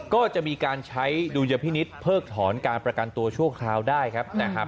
ก็จะมีการใช้ดุลยพินิษฐ์เพิกถอนการประกันตัวชั่วคราวได้ครับ